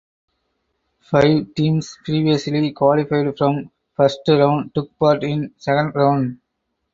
Five teams previously qualified from First Round took part in Second Round.